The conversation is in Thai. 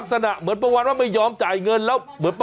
เกือบไม่รอด